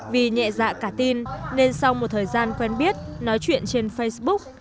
vì nhẹ dạ cả tin nên sau một thời gian quen biết nói chuyện trên facebook